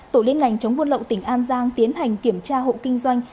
tổ liên ngành chống buôn lậu tỉnh an giang tiến hành kiểm tra hộ kinh doanh